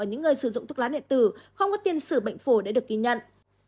ở những người sử dụng thuốc lá điện tử không có tiền xử bệnh phổi đã được ghi nhận